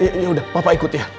ya yaudah papa ikut ya